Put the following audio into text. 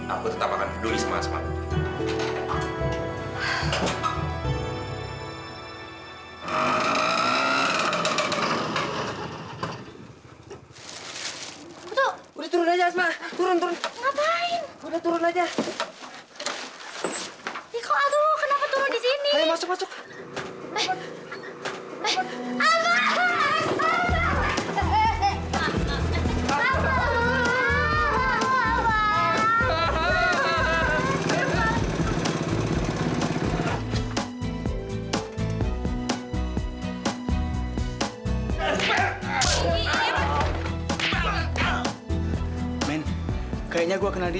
abah tadi doa ya allah mohon pertolongan ya allah